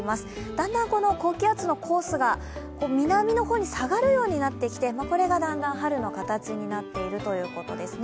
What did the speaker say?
だんだん高気圧のコースで南の方に下がるようになってきてこれが、だんだん春の形になっているということですね。